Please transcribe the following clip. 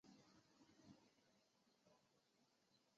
后为御史张仲炘得知上奏。